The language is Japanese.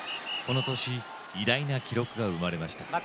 この年偉大な記録が生まれました。